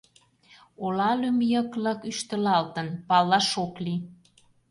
Ола лӱм йыклык ӱштылалтын, палаш ок лий.